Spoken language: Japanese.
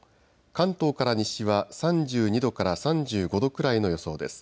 関東から西は３２度から３５度くらいの予想です。